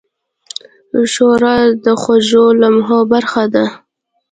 ښوروا د خوږو لمحو برخه ده.